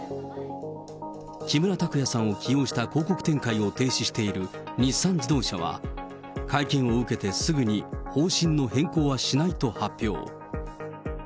木村拓哉さんを起用した広告展開を停止している日産自動車は、会見を受けてすぐに方針の変更はしないと発表。